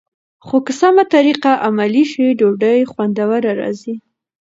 خو که سمه طریقه عملي شي، ډوډۍ خوندوره راځي.